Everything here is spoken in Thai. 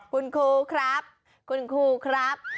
คุณครูครับคุณครูครับ